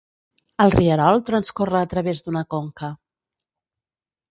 El rierol transcorre a través d'una conca.